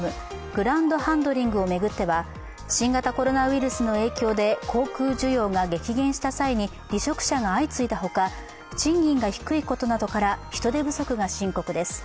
グランドハンドリングを巡っては、新型コロナウイルスの影響で航空需要が激減した際に離職者が相次いだほか、賃金が低いことなどから人手不足が深刻です。